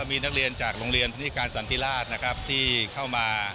มีนักเรียนจากโรงเรียนพาณิชยาการสันติราชนะครับ